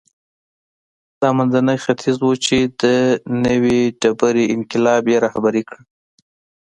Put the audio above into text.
دا منځنی ختیځ و چې د نوې ډبرې انقلاب یې رهبري کړ.